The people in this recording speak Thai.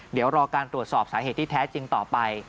เดี๋ยวรอการตรวจสอบสาเหตุที่แท้จริงต่อไป